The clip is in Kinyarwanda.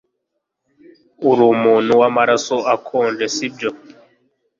Urumuntu wamaraso akonje, sibyo?